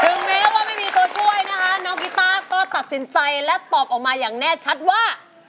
แม้ว่าไม่มีตัวช่วยนะคะน้องกีต้าก็ตัดสินใจและตอบออกมาอย่างแน่ชัดว่า